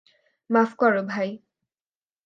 মাফ করো ভাই।